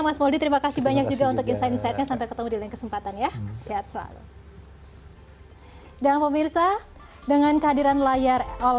mas moldy terima kasih banyak juga untuk insight insightnya